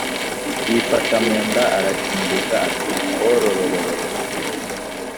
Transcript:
Yifata mu nda arashinyiriza ati: “Ororororo!